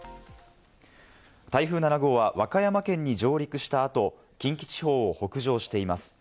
台風７号は和歌山県に上陸した後、近畿地方を北上しています。